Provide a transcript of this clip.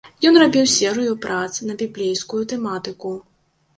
Ён рабіў серыю прац на біблейскую тэматыку.